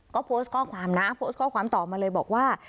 ก็โพสต์ข้อความนะต่อมาเลยบอกว่า